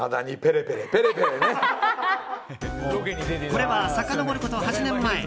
これは、さかのぼること８年前。